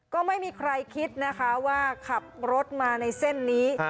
ก็ไม่มีใครคิดนะคะว่าขับรถมาในเส้นนี้